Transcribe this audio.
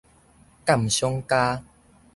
鑑賞家